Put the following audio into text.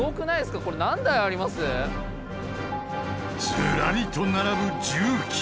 ずらりと並ぶ重機。